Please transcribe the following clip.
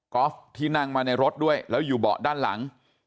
อล์ฟที่นั่งมาในรถด้วยแล้วอยู่เบาะด้านหลัง